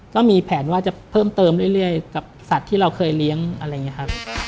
ก็มีแผนว่าจะเพิ่มเติมเรื่อยกับสัตว์ที่เราเคยเลี้ยงอะไรอย่างนี้ครับ